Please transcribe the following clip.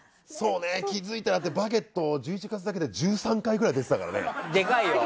気づいたら「バゲット」１１月だけで１３回くらい出てたからね。